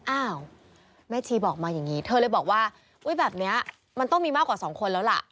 อ้าวแม่ชีบอกมาอย่างนี้เธอเลยบอกว่าอุ๊ยแบบนี้มันต้องมีมากกว่าสองคนแล้วล่ะ